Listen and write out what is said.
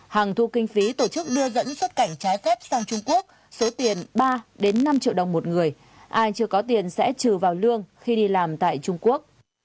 hàng thu kinh phí tổ chức đưa dẫn xuất cảnh trái phép sang trung quốc số tiền ba năm triệu đồng một người ai chưa có tiền sẽ trừ vào lương khi đi làm tại trung quốc